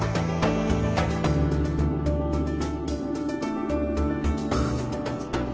มีชื่ออยู่บ้าง